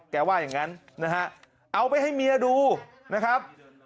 ว่าอย่างนั้นนะฮะเอาไปให้เมียดูนะครับ